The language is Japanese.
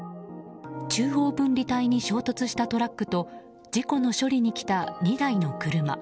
中央分離帯に衝突したトラックと事故の処理に来た２台の車。